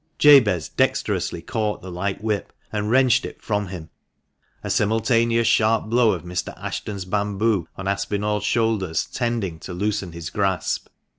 Jabez dexterously caught the light whip, and wrenched it from him, a simultaneous sharp blow of Mr. Ashton's bamboo on Aspinall's shoulders tending to loosen his grasp.